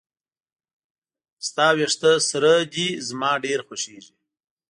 د تا وېښته سره ده زما ډیر خوښیږي